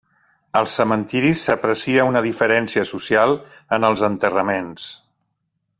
Als cementiris, s'aprecia una diferència social en els enterraments.